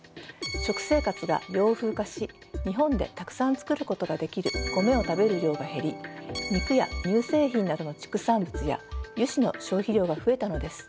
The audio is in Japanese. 食生活が洋風化し日本でたくさん作ることができる米を食べる量が減り肉や乳製品などの畜産物や油脂の消費量が増えたのです。